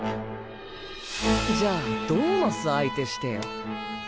じゃあドーマス相手してよ